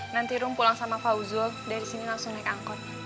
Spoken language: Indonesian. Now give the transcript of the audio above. nanti rum pulang sama fauzul dari sini langsung naik angkot